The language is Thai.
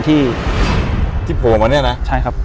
อยู่ที่แม่ศรีวิรัยิลครับ